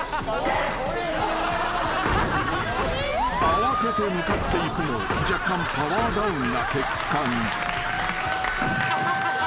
［慌てて向かっていくも若干パワーダウンな結果に］